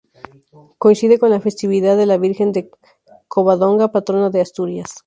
Coincide con la festividad de la Virgen de Covadonga, patrona de Asturias.